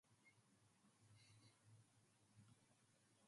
He then joined Guy Laroche for two years.